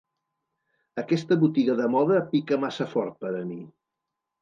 Aquesta botiga de moda pica massa fort per a mi.